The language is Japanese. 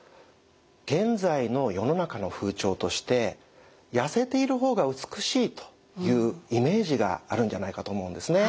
現在の世の中の風潮としてやせているほうが美しいというイメージがあるんじゃないかと思うんですね。